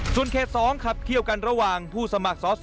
ส่วนเคสสองครับเคี่ยวกันระหว่างผู้สมัครสอ